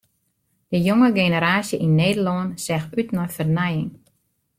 De jonge generaasje yn Nederlân seach út nei fernijing.